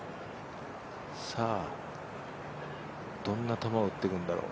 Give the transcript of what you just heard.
さあ、どんな球を打ってくるんだろう。